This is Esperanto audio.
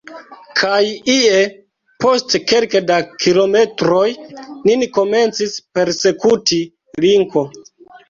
Kaj ie, post kelke da kilometroj, nin komencis persekuti linko.